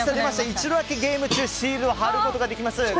一度だけゲーム中シールドを張ることができます。